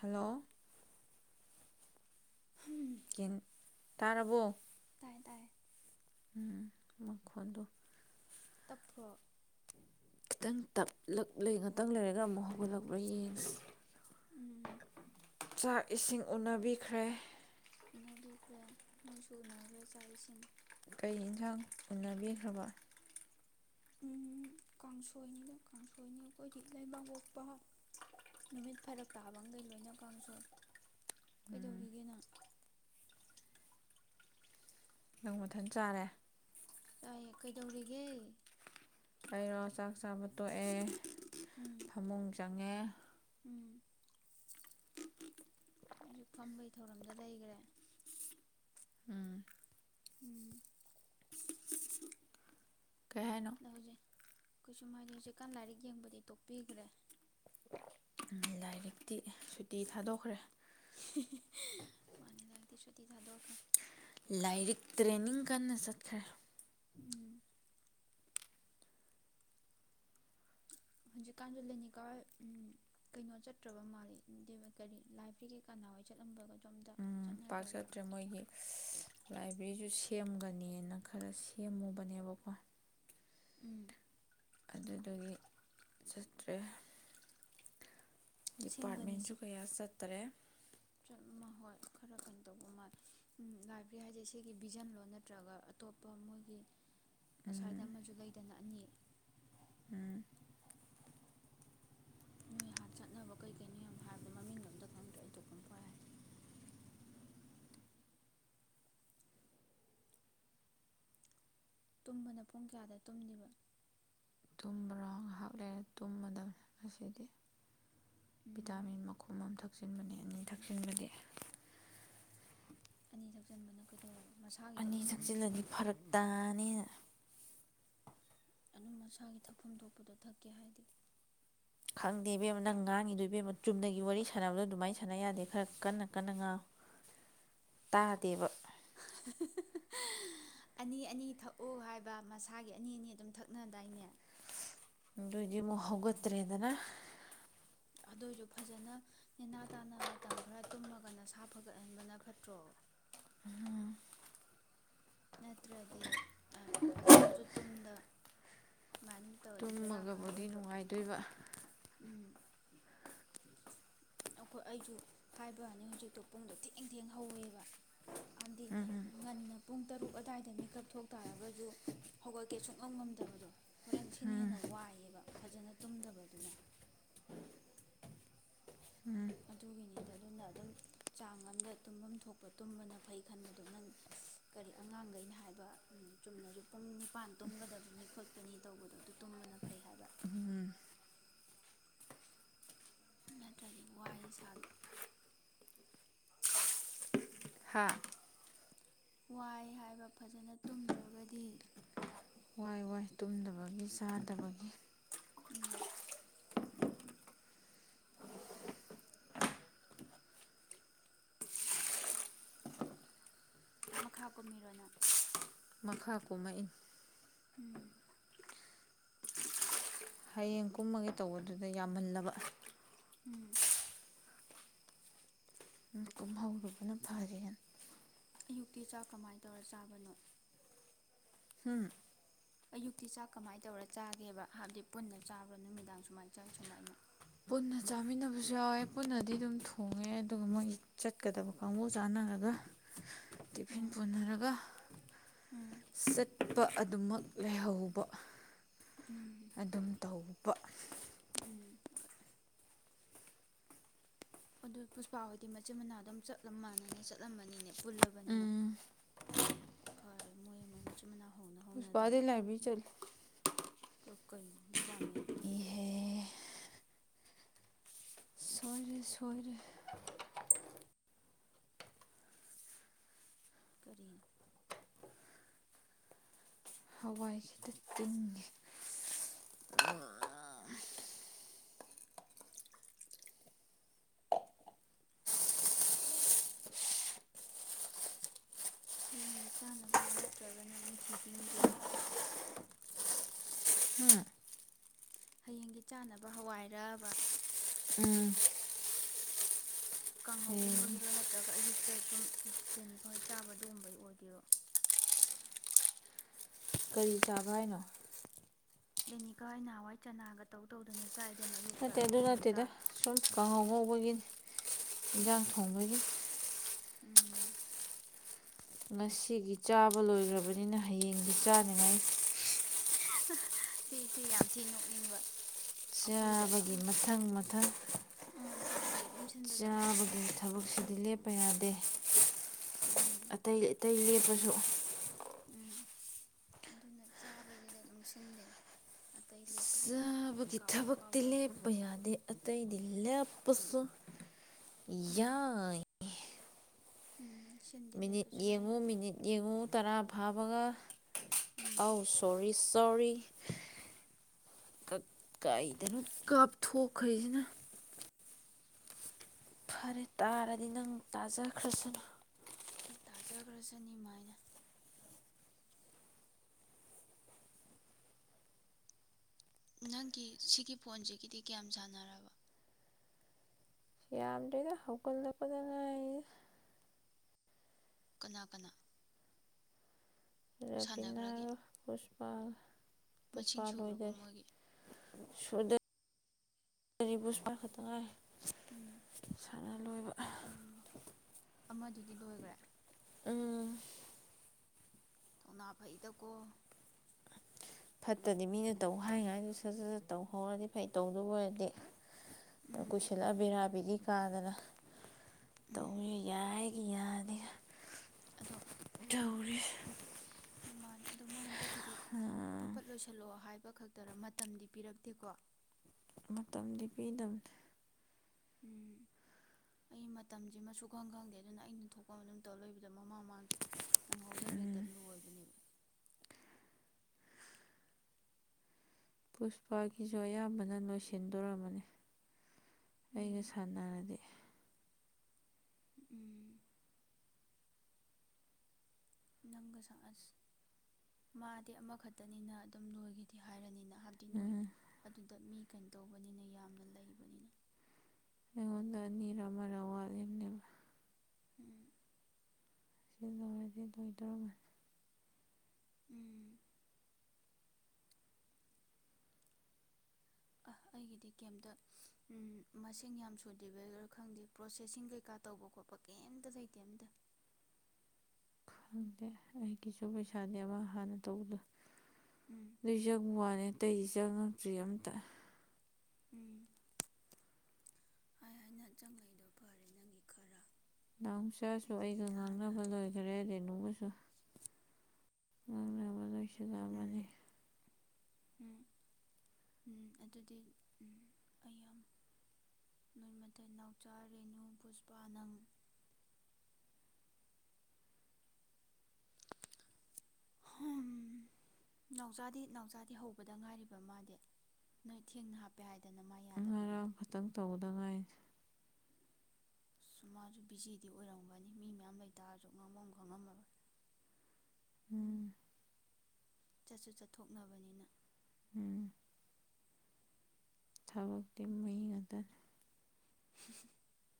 Hello! [inaudible] ꯇꯥꯔꯕꯣ? ꯇꯥꯏꯌꯦ ꯫ [unintelligible] ꯇꯞ ꯄꯔꯣ? ꯈꯤꯇꯪ ꯇꯞꯂ ꯉꯥꯛꯇꯪ ꯂꯩꯔꯒ ꯑꯃꯨꯛ ꯍꯧꯒꯠꯂꯛꯄꯥ ꯌꯦꯡꯁꯤ ꯎꯝ ꯆꯥꯛ ꯏꯁꯤꯡ ꯎꯅꯕꯤꯈ꯭ꯔꯦ꯫ ꯎꯅꯕꯤꯈ꯭ꯔꯦ ꯅꯣꯏꯁꯨ ꯎꯅꯈ꯭ꯔꯦ ꯆꯥꯛ ꯏꯁꯤꯡ꯫ ꯀꯩ ꯌꯦꯟꯁꯥꯡ ꯎꯅꯕꯤꯈ꯭ꯔꯕ? ꯎꯝ ꯀꯥꯡꯁꯣꯏꯅꯤꯗ ꯀꯥꯡꯁꯣꯏꯅꯤ ꯑꯩꯈꯣꯏꯗꯤ ꯂꯩꯕꯥꯛ ꯄꯣꯛꯄ ꯅꯨꯃꯤꯠ ꯐꯔꯛ ꯇꯥꯕꯈꯩ ꯂꯣꯏꯅ ꯀꯥꯡꯁꯣꯏ꯫ ꯎꯝ ꯀꯩꯗꯧꯔꯤꯒꯦ ꯅꯪ? ꯅꯪ ꯃꯊꯟ ꯆꯥꯔꯦ꯫ ꯆꯥꯏꯌꯦ ꯀꯩꯗꯧꯔꯤꯒꯦ? ꯑꯩꯔꯣ ꯆꯥꯛ ꯆꯥꯕ ꯇꯣꯛꯑꯦ꯫ ꯎꯝ ꯐꯃꯨꯡ ꯆꯪꯉꯦ꯫ ꯎꯝ ꯍꯧꯖꯤꯛ ꯐꯥꯝꯕꯩ ꯊꯧꯔꯝꯗ ꯂꯩꯈ꯭ꯔꯦ꯫ ꯎꯝ꯫ ꯎꯝ꯫ ꯀꯩꯍꯥꯏꯅꯣ? ꯀꯩꯁꯨ ꯍꯥꯏꯗꯦ ꯍꯧꯖꯤꯛꯀꯥꯟ ꯂꯥꯏꯔꯤꯛ ꯌꯦꯡꯕꯗꯤ ꯇꯣꯛꯄꯤꯈ꯭ꯔꯦ꯫ ꯍꯧꯖꯤꯛꯇꯤ ꯁꯨꯇꯤ ꯊꯥꯗꯣꯛꯈ꯭ꯔꯦ꯫ ꯃꯥꯅꯤ ꯂꯛꯇꯗꯤ ꯁꯨꯇꯤ ꯊꯥꯗꯣꯛꯈ꯭ꯔꯦ꯫ ꯂꯥꯏꯔꯤꯛ ꯇ꯭ꯔꯦꯅꯤꯡ ꯀꯟꯅ ꯆꯠꯈ꯭ꯔꯦ꯫ ꯎꯝ꯫ ꯍꯧꯖꯤꯛꯀꯥꯟꯗ ꯂꯦꯅꯤꯀꯥ ꯍ ꯀꯩꯅꯣ ꯆꯠꯇ꯭ꯔꯕ ꯃꯥꯜꯂꯤ ꯀꯔꯤ ꯂꯥꯏꯕ꯭ꯔꯦꯔꯤꯒꯤ ꯀꯅꯥꯍꯣꯏ ꯆꯠꯂꯝꯕꯒꯗꯣ ꯃꯇꯣꯝꯇ ꯫ ꯄꯥꯛꯆꯠꯇ꯭ꯔꯦ ꯃꯣꯏꯒꯤ ꯂꯥꯏꯕ꯭ꯔꯦꯔꯤ ꯁꯤꯁꯨꯨ ꯁꯦꯝꯒꯅꯦꯅ ꯈꯔ ꯁꯦꯝꯃꯨꯕꯅꯦꯕꯀꯣ ꯎꯝ ꯑꯗꯨꯗꯨꯗꯒꯤ ꯆꯠꯇ꯭ꯔꯦ ꯁꯦꯝꯒꯅꯤ ꯗꯦꯄꯥꯔꯠꯃꯦꯟꯇꯁꯨ ꯁꯤ ꯀꯌꯥ ꯆꯠ ꯇꯔꯦ [unintelligible] ꯍꯣꯏ ꯈꯔ ꯀꯩꯅꯣ ꯇꯧꯕ ꯃꯥꯜꯂꯤ ꯂꯥꯏꯕ꯭ꯔꯦꯔꯤ ꯍꯥꯏꯁꯦ ꯁꯤꯒꯤ ꯚꯤꯖꯟꯂꯣ ꯅꯠꯇ꯭ꯔꯒ ꯑꯇꯣꯞꯄ ꯃꯣꯏꯒꯤ ꯑꯁ꯭ꯋꯥꯏꯗ ꯑꯃꯁꯨ ꯂꯩꯗꯅ ꯑꯅꯤ ꯎꯝ ꯅꯣꯏꯍꯥꯟꯅ ꯆꯠꯅꯕ ꯀꯩꯀꯩꯅꯣ ꯌꯥꯝꯅ ꯍꯥꯏꯕꯗꯣ ꯃꯃꯤꯡꯒ ꯑꯝꯇ ꯈꯪꯗ꯭ꯔꯦ ꯑꯩ ꯊꯣꯛꯄ ꯄꯪꯍꯥꯏꯍꯥꯏ ꯇꯨꯝꯕꯅ ꯄꯨꯡ ꯀꯌꯥꯗ ꯇꯨꯝꯂꯤꯕ ꯇꯨꯝꯕꯔꯣ ꯉꯥꯏꯍꯥꯛ ꯂꯩꯔ ꯇꯨꯝꯃꯗꯕꯅꯤ ꯉꯁꯤꯗꯤ ꯎꯝ ꯚꯤꯇꯥꯃꯤꯟ ꯃꯈꯨꯝ ꯑꯃ ꯊꯛ ꯊꯛꯆꯤꯟꯕꯅꯦ ꯑꯅꯤ ꯊꯛꯆꯤꯟꯕꯗꯤ ꯑꯅꯤ ꯊꯛꯆꯟꯕꯅ ꯀꯩꯗꯧꯔꯕ ꯑꯅꯤ ꯊꯛꯆꯜꯂꯅꯤ ꯐꯔꯛ ꯇꯥꯅꯦꯅ ꯑꯗꯨꯝ ꯃꯁꯥꯒꯤ ꯊꯛꯐꯝ ꯊꯣꯛꯄꯗꯨ ꯊꯛꯀꯦ ꯍꯥꯏꯗꯦ ꯈꯪꯗꯦ ꯏꯕꯦꯝꯃ ꯅꯪ ꯉꯥꯡꯉꯤꯗꯣ ꯏꯕꯦꯝꯃ ꯆꯨꯝꯅꯒꯤ ꯋꯥꯔꯤ ꯁꯥꯟꯅꯕꯗꯣ ꯑꯗꯨꯃꯥꯏꯅ ꯁꯥꯟꯅ ꯌꯥꯗꯦ ꯈꯔ ꯀꯟꯅ ꯀꯟꯅ ꯉꯥꯡꯎ ꯇꯥꯗꯦꯕ ꯑꯅꯤ ꯑꯅꯤ ꯊꯛꯎ ꯍꯥꯏꯕ ꯃꯁꯥꯒꯤ ꯑꯅꯤ ꯑꯅꯤ ꯑꯗꯨꯝ ꯊꯛꯅꯗꯥꯏꯅꯦ ꯑꯗꯨꯏꯗꯤ ꯑꯃꯨꯛ ꯍꯧꯒꯠꯇ꯭ꯔꯦꯗꯅ ꯑꯗꯨꯏꯁꯨ ꯐꯖꯅ ꯅꯦꯅꯥ ꯇꯥꯅ ꯃꯇꯝ ꯈꯔ ꯇꯨꯝꯃꯒ ꯅꯁꯥ ꯐꯒꯠꯍꯟꯕꯅ ꯐꯠꯇ꯭ꯔꯣ ꯎꯝ ꯅꯠꯇ꯭ꯔꯗꯤ ꯐꯖꯅꯁꯨ ꯇꯨꯝꯗ ꯑꯗꯨꯃꯥꯏꯅ ꯑꯗꯨꯝ ꯇꯧꯔꯗꯤ ꯕꯦꯔꯥ ꯇꯨꯝꯃꯒꯕꯨꯗꯤ ꯀꯥꯔꯛꯑꯣꯏꯗ꯭ꯔꯣ ꯅꯨꯡꯉꯥꯏꯗꯣꯏꯕ ꯎꯝ ꯑꯩꯈꯣꯏ ꯑꯩꯁꯨ ꯍꯥꯏꯕꯩꯋꯥꯅꯤ ꯍꯧꯖꯤꯛꯇꯣ ꯄꯨꯡꯗꯣ ꯊꯦꯡ ꯊꯦꯡ ꯍꯧꯋꯦꯕ ꯍꯥꯏꯗꯤ ꯉꯟꯅ ꯄꯨꯡ ꯇꯔꯨꯛ ꯑꯗꯋꯥꯏꯗ ꯃꯤꯀꯞ ꯊꯣꯛ ꯇꯥꯔꯒꯁꯨ ꯍꯧꯒꯠ ꯀꯦ ꯁꯨꯛꯉꯝ ꯉꯝꯗꯕꯗꯣ ꯍꯣꯔꯦꯟ ꯁꯤꯅ ꯍꯦꯟꯅ ꯋꯥꯏꯌꯦꯕ ꯐꯖꯅ ꯇꯨꯝꯗꯕꯗꯨꯅ ꯑꯗꯨꯒꯤꯅꯤꯗ ꯑꯗꯨꯅ ꯑꯗꯨꯝ ꯆꯥꯡ ꯑꯃꯗ ꯇꯨꯝꯐꯝ ꯊꯣꯛꯄ ꯇꯨꯝꯕꯅ ꯐꯩ ꯈꯟꯕꯗꯣ ꯅꯪ ꯀꯔꯤ ꯑꯉꯥꯡꯈꯩꯅ ꯍꯥꯏꯕ ꯆꯨꯝꯅꯁꯨ ꯄꯨꯡ ꯅꯤꯄꯥꯟ ꯇꯨꯝꯒꯗꯕꯅꯤ ꯈꯣꯠꯄꯅꯤ ꯇꯧꯕꯗꯣ ꯑꯗꯨ ꯇꯨꯝꯕꯅ ꯐꯩ ꯍꯥꯏꯕ ꯅꯠꯇ꯭ꯔꯗꯤ ꯋꯥꯏ ꯏꯁꯥꯥꯗꯣ ꯍꯥꯥ ꯋꯥꯏ ꯍꯥꯏꯕ ꯐꯖꯅ ꯇꯨꯝꯗ꯭ꯔꯒꯗꯤ ꯋꯥꯏ ꯋꯥꯏ ꯇꯨꯝꯗꯕꯒꯤ ꯆꯥꯗꯕꯒꯤ ꯎꯝ ꯃꯈꯥ ꯀꯨꯝꯃꯤꯔꯣ ꯅꯪ ꯃꯈꯥ ꯀꯨꯝꯃꯛꯏ ꯎꯝ ꯍꯌꯦꯡ ꯀꯨꯝꯃꯒꯦ ꯇꯧꯕ ꯑꯗꯨꯗ ꯌꯥꯝꯃꯜꯂꯕ ꯎꯝ ꯀꯨꯝꯍꯧꯕꯅ ꯐꯔꯦ ꯑꯌꯨꯛꯇꯤ ꯆꯥꯛ ꯀꯃꯥꯏꯅ ꯇꯧꯔ ꯆꯥꯕꯅꯣ ꯍꯝ ꯑꯌꯨꯛꯇꯤ ꯆꯥꯛ ꯀꯃꯥꯏꯅ ꯇꯧꯔ ꯆꯥꯒꯦꯕ ꯍꯥꯏꯕꯗꯤ ꯄꯨꯟꯅ ꯆꯥꯕ꯭ꯔꯥ ꯅꯨꯃꯤꯗꯥꯡ ꯁꯨꯃꯥꯏꯅ ꯆꯥꯏ ꯁꯨꯃꯥꯏꯅ ꯄꯨꯟꯅ ꯆꯥꯃꯤꯟꯅꯕꯁꯨ ꯌꯥꯎꯋꯦ ꯄꯨꯟꯅꯗꯤ ꯑꯗꯨꯝ ꯊꯣꯡꯉꯦ ꯑꯗꯨꯒ ꯃꯣꯏ ꯆꯠꯀꯗꯕ ꯀꯥꯡꯕꯨ ꯆꯥꯅꯔꯒ ꯇꯤꯐꯤꯟ ꯎꯝ ꯄꯨꯅꯔꯒ ꯎꯝ ꯆꯠ ꯄ ꯑꯗꯨꯝꯃꯛ ꯂꯩꯍꯧꯕ ꯎꯝ ꯑꯗꯨꯝ ꯇꯧ ꯕ ꯎꯝ ꯑꯗꯨ ꯄꯨꯁꯄꯥ ꯍꯣꯏꯗꯤ ꯃꯆꯤꯟ ꯃꯅꯥꯎ ꯑꯗꯨꯝ ꯆꯠꯂꯝ ꯃꯥꯟꯅꯅ ꯆꯠꯂꯝꯃꯅꯤꯅꯦ ꯄꯨꯜꯂꯕꯅꯤꯅ ꯎꯝ ꯐꯔꯦ ꯃꯣꯏ ꯑꯃ ꯃꯆꯤꯟ ꯃꯅꯥꯎ ꯍꯧꯅ ꯄꯨꯁꯄꯥꯗꯤ ꯂꯥꯏꯕ꯭ꯔꯦꯔꯤ ꯆꯠꯂꯦ ꯀꯩꯩꯅꯣ ꯗꯤꯄꯥꯔꯠꯃꯦꯟꯗꯤ ꯏꯍꯦ ꯑꯩ ꯁꯣꯏꯔꯦ ꯀꯔꯤ ꯍꯋꯥꯏ ꯈꯤꯇ ꯇꯤꯡꯒꯦ ꯍꯌꯦꯡꯒꯤ ꯆꯥꯅꯕꯨꯔꯣ ꯅꯠꯇ꯭ꯔꯒꯅ ꯃꯤꯊꯤ ꯇꯤꯡꯗꯔꯣ ꯍꯌꯦꯡꯒꯤ ꯆꯥꯅꯕ ꯍꯋꯥꯏꯔꯥꯕ ꯎꯝ ꯍꯌꯦꯡꯗꯤ ꯀꯥꯡꯍꯧꯒꯨꯝꯕꯒꯤꯔꯣ ꯅꯠꯇ꯭ꯔꯒ ꯑꯌꯨꯛꯇ ꯁꯨꯝ ꯂꯦꯅꯤꯀꯣ ꯍꯣꯏ ꯆꯥꯕ ꯑꯗꯨꯒꯨꯝꯕꯩ ꯑꯣꯏꯗꯣꯏꯔꯣ ꯀꯔꯤ ꯆꯥꯕ ꯍꯥꯏꯅꯣ ꯗꯦꯅꯤꯀꯥ ꯍꯣꯢ ꯅꯍꯥꯟꯋꯥꯏ ꯆꯅꯥꯒ ꯇꯧ ꯇꯧꯗꯅ ꯆꯥꯏꯗꯅ ꯑꯌꯨꯛꯇ ꯅꯠꯇꯦ ꯑꯗꯨ ꯑꯗꯨꯒꯨꯝꯕ ꯅꯠꯇꯦꯗ ꯆꯥꯕ ꯁꯨꯝ ꯈꯍꯥꯎ ꯉꯧꯕꯒꯤꯅꯤ ꯏꯟꯁꯥꯡ ꯎꯝ ꯊꯣꯡꯕꯒꯤ ꯎꯝ ꯉꯁꯤꯒꯤ ꯆꯥꯕ ꯂꯣꯏꯒꯔꯕꯅꯤꯅ ꯍꯌꯦꯡꯗꯤ ꯆꯥꯅꯤꯡꯉꯥꯏ ꯁꯤꯁꯤ ꯌꯥꯝ ꯊꯤ ꯅꯣꯛꯅꯤꯡꯕ ꯑꯩꯈꯣꯏꯁꯦ ꯑꯗꯨꯝ ꯆꯥꯕꯒꯤ ꯃꯊꯪ ꯃꯊꯪ ꯆꯥꯕꯒꯤ ꯑꯗꯨꯝ ꯁꯤꯟꯕꯗꯣ ꯍꯥꯏꯕꯗꯤ ꯆꯥꯕꯒꯤ ꯊꯕꯛꯁꯤꯗꯤ ꯂꯦꯞꯄ ꯌꯥꯗꯦ ꯎꯝ ꯑꯇꯩ ꯑꯇꯩ ꯂꯦꯞꯄ ꯁꯨ ꯎꯝ ꯑꯗꯨꯅ ꯆꯥꯕꯩꯁꯤꯗ ꯑꯗꯨꯝ ꯁꯤꯟꯗꯣꯢꯅꯦ ꯑꯇꯩ ꯂꯦꯞꯄ ꯂꯦꯞꯇ ꯆꯥꯕꯒꯤ ꯀꯥꯎꯕ ꯊꯕꯛꯇꯤ ꯀꯥꯎꯗꯕ ꯂꯦꯞꯄ ꯌꯥꯗꯦ ꯑꯇꯩꯗꯤ ꯂꯦꯞ ꯄꯁꯨ ꯎꯝ ꯌꯥꯏ ꯎꯝ ꯁꯤꯟꯗꯤ ꯃꯤꯅꯤꯠ ꯂꯦꯞꯄ ꯁꯨꯡꯌꯥ ꯌꯦꯡꯉꯨ ꯌꯥꯗꯦ ꯃꯤꯅꯤꯠ ꯌꯦꯡꯉꯨ ꯇꯔꯥ ꯐꯥ ꯕꯒ ꯎꯝ ꯑꯥꯎ ꯁꯣꯔꯤ ꯁꯣꯔꯤ ꯀꯩꯗꯅꯣ ꯀꯥꯞꯊꯣꯛꯈ꯭ꯔꯤꯁꯤꯅ ꯐꯔꯦ ꯇꯥꯔꯗꯤ ꯅꯪ ꯇꯥꯖꯈ꯭ꯔꯁꯅꯨ ꯇꯥꯖꯒꯔꯖꯅꯤꯃꯥꯏꯅ ꯅꯪꯒꯤ ꯁꯤꯒꯤ ꯐꯣꯟꯁꯤꯒꯤꯗꯤ ꯀꯌꯥꯝ ꯁꯥꯟꯅꯔꯕ ꯌꯥꯝꯗ꯭ꯔꯦꯗ ꯍꯧꯒꯠꯂꯛꯄꯗ ꯉꯥꯏꯗ ꯀꯅꯥ ꯀꯅꯥ ꯔꯕꯤꯅꯥ ꯁꯥꯟꯅꯈ꯭ꯔꯒꯦ ꯄꯨꯁ꯭ꯄꯥ ꯄ ꯃꯁꯤꯡ ꯁꯨꯈ꯭ꯔꯕꯣ ꯃꯣꯏꯒꯤ ꯁꯨꯗꯦ ꯄꯨꯁ꯭ꯄꯥ ꯈꯇ ꯅꯨꯡꯉꯥꯏ ꯎꯝ ꯁꯥꯟꯅ ꯂꯣꯏꯕ ꯎꯝ ꯑꯃꯗꯨꯗꯤ ꯂꯣꯏꯈ꯭ꯔꯦ ꯎꯝ ꯊꯧꯅꯥ ꯐꯩꯗꯀꯣ ꯐꯠꯇꯗꯤ ꯃꯤꯅ ꯇꯧ ꯍꯥꯏꯉꯥꯏꯗꯨ ꯁꯠ ꯁꯠ ꯇꯧꯍꯧꯔꯗꯤ ꯐꯩ ꯇꯧꯗꯕ ꯑꯣꯏꯔꯗꯤ ꯎꯝ ꯀꯨꯏꯁꯤꯜꯂꯛꯑꯕꯕꯤꯔꯥꯕꯤꯒꯤ ꯀꯥꯗꯅ ꯎꯝ ꯇꯧꯕ ꯌꯥꯏ ꯏ ꯌꯥꯗ ꯑꯗꯣ ꯃꯥꯅꯦ ꯑꯗꯣ ꯃꯣꯏ ꯍꯟꯗꯛꯀꯤꯗꯤ ꯐꯐꯠ ꯂꯣꯏꯁꯜꯂꯛꯑꯣ ꯍꯥꯏꯕ ꯄꯤꯄ ꯈꯛꯇꯔ ꯃꯇꯝꯗꯤ ꯄꯤꯔꯛꯇꯦꯀꯣ ꯃꯇꯝꯗꯤ ꯄꯤꯗꯕꯅꯤ ꯎꯝ ꯑꯩ ꯃꯇꯝꯁꯤ ꯃꯁꯨ ꯈꯪ ꯈꯪꯗꯦ ꯑꯗꯨꯅ ꯑꯩꯅ ꯊꯣꯛꯄ ꯑꯃ ꯑꯗꯨꯝ ꯇꯧꯔ ꯂꯩꯣꯏꯕꯗ ꯃꯃꯥ ꯃꯥꯡ ꯅꯪꯍꯧꯗꯕ ꯕꯦꯛꯇ ꯎꯝ ꯂꯣꯏꯕꯅꯦꯕ ꯄꯨꯁꯄꯥꯒꯤꯁꯨ ꯑꯌꯥꯝꯕꯅ ꯂꯣꯏꯁꯤꯟꯗꯣꯔꯝꯕꯅꯤ ꯑꯩꯒ ꯎꯝ ꯁꯥꯟꯅꯔꯗꯤ ꯎꯝ ꯅꯪꯒ ꯁꯪꯑꯁ ꯃꯥꯗꯤ ꯑꯃꯈꯛꯇꯅꯤꯅ ꯑꯗꯨꯝ ꯂꯣꯏꯈꯤꯗꯤ ꯍꯥꯏꯔꯅꯤꯅ ꯍꯥꯏꯕꯗꯤ ꯅꯣꯏ ꯎꯝ ꯑꯗꯨꯗ ꯃꯤ ꯀꯩꯅꯣ ꯇꯧꯕꯅꯤꯅ ꯌꯥꯝꯅ ꯂꯩꯕꯅꯤꯅ ꯑꯩꯉꯣꯟꯗ ꯑꯅꯤꯔ ꯑꯃꯅ ꯋꯥꯠꯂꯤꯅꯦꯕ ꯎꯝ ꯁꯤ ꯇꯧꯔꯗꯤ ꯂꯣꯏꯗꯧꯔꯝꯃ ꯎꯝ ꯑ ꯑꯩꯒꯤꯗꯤ ꯀꯦꯝꯝꯇ ꯎ ꯃꯁꯤꯡ ꯌꯥꯝ ꯁꯨꯗ꯭ꯔꯤꯕꯩ ꯈꯔꯥ ꯈꯪꯗꯦ ꯄ꯭ꯔꯣꯁꯦꯁꯤꯡ ꯀꯩꯀꯥ ꯇꯧꯕ ꯈꯣꯠꯄ ꯀꯩꯝꯇ ꯂꯩꯇꯦ ꯑꯝꯇ ꯈꯪꯗꯦ ꯑꯩꯒꯤꯁꯨ ꯄꯩꯁꯥꯅꯦ ꯑꯃ ꯍꯥꯟꯅ ꯇꯧꯕꯗꯣ ꯎꯝ ꯔꯤꯖ ꯍꯨꯃꯦ ꯑꯇꯩ ꯆꯉꯛꯇ꯭ꯔꯤ ꯑꯝꯇ ꯎꯝ ꯍꯥꯏ ꯍꯥꯏꯅ ꯆꯪꯂꯛꯏꯗꯣ ꯐꯔꯦ ꯅꯪꯒꯤ ꯈꯔ ꯅꯥꯎꯆꯥꯥꯁꯨ ꯑꯩꯒꯤꯗꯤ ꯑꯩꯒ ꯅꯍꯥꯟ ꯉꯥꯡꯅꯕ ꯅꯍꯥꯟꯅ ꯂꯣꯏꯈꯔꯦꯅꯨꯕꯨꯁꯨ ꯉꯪꯅ ꯑꯋꯥ [inaudible] [unintelligible] ꯖꯔꯃꯅꯤ ꯎꯝ ꯎꯝ ꯑꯗꯨꯗꯤ ꯎꯝ ꯑꯩ ꯌꯥꯝ ꯅꯣꯏ ꯃꯊꯩ ꯅꯥꯎꯆꯥ ꯔꯦꯅꯨ ꯄꯨꯁꯄꯥ ꯅꯪ ꯅꯥꯎꯆꯥꯥꯗꯤ ꯅꯥꯎꯆꯥꯥꯗꯤ ꯍꯧꯕꯗ ꯉꯥꯏꯔꯤꯕ ꯃꯥꯗꯤ ꯅꯣꯏ ꯊꯦꯡꯅ ꯍꯥꯞꯄꯦ ꯍꯥꯏ ꯉꯔꯥꯡ ꯈꯛꯇꯪ ꯇꯧꯕꯗ ꯉꯥꯏꯔꯤ ꯑꯁ ꯃꯥꯁꯨ ꯕꯤꯖꯤꯗꯤ ꯑꯣꯏꯔꯝꯒꯅꯤ ꯃꯤ ꯃꯌꯥꯝ ꯂꯩꯇꯥꯔꯁꯨ ꯉꯥꯡꯚꯝ ꯈꯪꯉꯝꯃꯔꯣꯏ ꯎꯝ ꯆꯠꯁꯨ ꯆꯠꯊꯣꯛꯅꯕꯅꯤꯅ ꯎꯝ ꯊꯕꯛꯇꯤ ꯃꯩ ꯉꯥꯛꯇꯅꯤ [inaudible]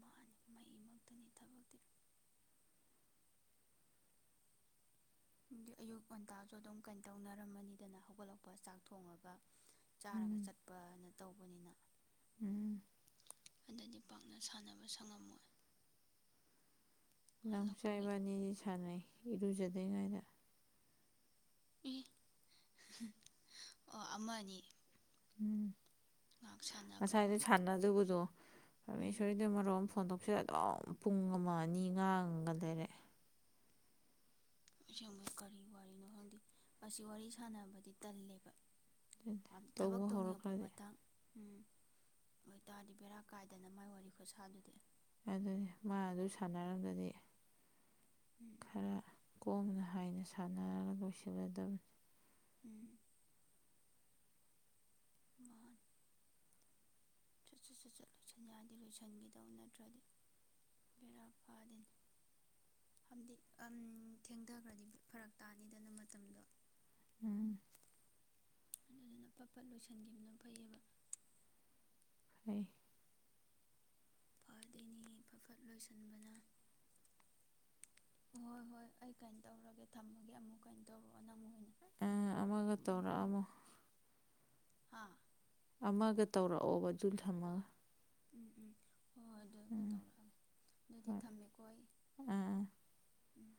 ꯃꯥꯅꯤ ꯃꯩꯃꯛꯇꯅꯤ ꯊꯕꯛꯇꯤ ꯑꯌꯨꯛ ꯉꯟꯇꯥꯁꯨ ꯑꯗꯨꯝ ꯀꯩꯅ ꯇꯧꯅꯔꯝꯃꯅꯤꯗꯅ ꯍꯧꯒꯠꯂꯛꯄ ꯆꯥꯛ ꯊꯣꯡꯡꯂꯒ ꯆꯥꯔꯒ ꯎꯝ ꯆꯠꯄꯅ ꯇꯧꯕꯅꯤꯅ ꯎꯝ ꯑꯗꯗꯤ ꯄꯥꯛꯅ ꯁꯥꯟꯅꯕ ꯁꯪꯉꯝꯃꯣꯏ ꯅꯎꯆꯥ ꯍꯜꯂꯛꯄꯒꯤ ꯏꯕꯥꯅꯤꯗꯤ ꯁꯥꯟꯅꯩ ꯏꯔꯨꯖꯗ꯭ꯔꯤꯉꯩꯗ ꯑꯦ ꯑꯣ ꯑꯃ ꯑꯅꯤ ꯎꯝ ꯉꯥꯏꯍꯥꯛ ꯁꯥꯟꯅꯕꯀꯣ ꯉꯁꯥꯏꯗ ꯁꯥꯟꯅꯗꯨꯕꯗꯣ ꯎꯝ ꯄꯔꯃꯦꯁꯣꯔꯤꯗꯣ ꯃꯔꯣꯟ ꯑꯃ ꯐꯣꯟ ꯇꯧ ꯁꯦ ꯑꯗꯨꯝ ꯄꯨꯡ ꯑꯃ ꯑꯅꯤ ꯉꯥꯡꯒ ꯂꯩꯔꯦ ꯑꯁꯦꯡꯕ ꯀꯔꯤ ꯋꯥꯔꯤꯅꯣ ꯈꯪꯗꯦ ꯑꯁꯤ ꯋꯥꯔꯤ ꯁꯥꯟꯅꯕꯗꯤ ꯇꯜꯂꯦꯕ ꯑꯗꯨꯅꯦ ꯊꯕꯛ ꯇꯧꯕ ꯇꯧꯅꯤꯡꯉꯛꯄ ꯍꯧꯔꯛꯈ꯭ꯔꯗꯤ ꯃꯇꯥꯡ ꯎꯝ ꯑꯣꯏꯇꯥꯔꯗꯤ ꯕꯦꯔꯥ ꯀꯥꯏꯗꯅ ꯃꯥꯏ ꯋꯥꯔꯤ ꯈꯨꯠꯁꯥꯗꯨꯗꯤ ꯑꯗꯨꯅꯤ ꯃꯥ ꯑꯗꯨ ꯁꯥꯟꯅꯔꯝꯗꯔꯗꯤ ꯎꯝ ꯈꯔ ꯀꯣꯝꯅ ꯍꯥꯏꯅ ꯁꯥꯟꯅꯔꯒ ꯂꯣꯏꯁꯤꯜꯒꯗꯕꯅꯤ ꯎꯝ ꯃꯥꯅꯦ ꯁꯠ ꯁꯠ ꯁꯠ ꯁꯠ ꯂꯣꯏꯁꯟ ꯌꯥꯗꯤ ꯂꯣꯏꯁꯟꯈꯤꯗꯧꯅꯦ ꯅꯠꯇ꯭ꯔꯗꯤ ꯕꯦꯔꯥ ꯀꯥꯗꯦꯅ ꯍꯥꯏꯕꯗꯤ ꯑꯝ ꯊꯦꯡꯊꯈꯒꯔꯗꯤ ꯐꯔꯛ ꯇꯥꯅꯤꯗꯅ ꯃꯇꯝꯗꯣ ꯎꯝ ꯑꯗꯨꯗꯨꯅ ꯄꯠ ꯄꯠ ꯂꯣꯏꯁꯤꯟꯒꯤꯕꯅ ꯐꯩꯌꯦꯕ ꯐꯩ ꯐꯗꯣꯢꯅꯦ ꯐꯠ ꯐꯠ ꯂꯣꯏꯁꯤꯟꯕꯅ ꯍꯣꯏ ꯍꯣꯏ ꯑꯩ ꯀꯩꯅꯣ ꯇꯧꯔꯒꯦ ꯊꯝꯃꯒꯦ ꯑꯃꯨꯛ ꯀꯩꯅ ꯇꯧꯔꯛꯑꯣ ꯅꯪ ꯑꯣꯏꯅ ꯑ ꯑꯃꯒ ꯎꯝ ꯇꯧꯔꯛ ꯎꯝ ꯑꯝꯃꯣ ꯍꯥ ꯑꯃꯒ ꯇꯧꯔꯛꯑꯣ ꯑꯗꯨ ꯊꯝꯃꯒ ꯎꯝ ꯎꯝ ꯍꯣꯏ ꯍꯣꯏ ꯑꯗꯨ ꯎꯝ ꯇꯧꯔꯛꯑꯒꯦ ꯑꯗꯨꯗꯤ ꯍꯣꯏ ꯑꯥ ꯊꯝꯃꯦꯀꯣ ꯑꯩ ꯑꯥ ꯎꯝ